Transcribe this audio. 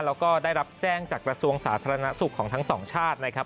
แล้วก็ได้รับแจ้งจากกระทรวงสาธารณสุขของทั้งสองชาตินะครับ